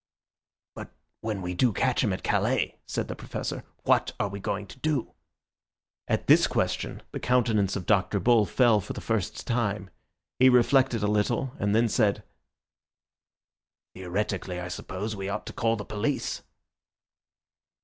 "But when we do catch him at Calais," said the Professor, "what are we going to do?" At this question the countenance of Dr. Bull fell for the first time. He reflected a little, and then said— "Theoretically, I suppose, we ought to call the police."